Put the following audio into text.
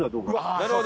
なるほど。